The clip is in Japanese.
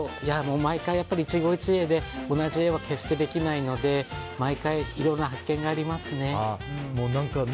毎回、一期一会で同じ絵は決してできないので毎回いろいろな発見がありますね。